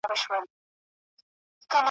ننګیالی کړه نن په دارنګه مد هوش